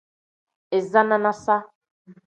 Iza nanasa.